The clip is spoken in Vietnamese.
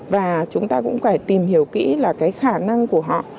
và chúng ta cũng phải tìm hiểu kỹ là cái khả năng của họ